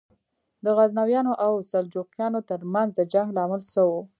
د غزنویانو او سلجوقیانو تر منځ د جنګ لامل څه و؟